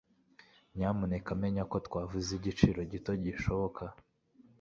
Nyamuneka menya ko twavuze igiciro gito gishoboka